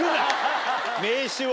名刺を。